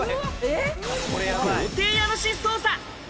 豪邸家主捜査。